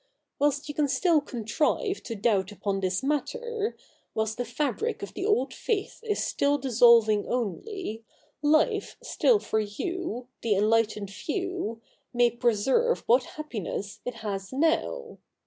Whilst you can still contrive to doubt upon this matter, whilst the fabric of the old faith is still dissolving only, life still for you, the enlightened few, may preserve what happiness it has now.